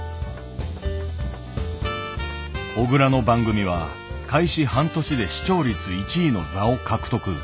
小倉の番組は開始半年で視聴率１位の座を獲得。